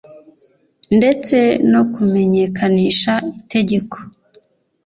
ndetse no kumenyekanisha itegeko